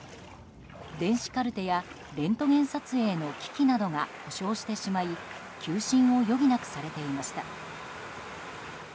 電子カルテやレントゲン撮影の機器などが故障してしまい休診を余儀なくされていました。